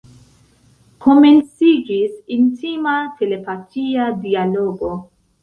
Komenciĝis intima telepatia dialogo.